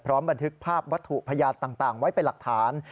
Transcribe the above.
บันทึกภาพวัตถุพยานต่างไว้เป็นหลักฐาน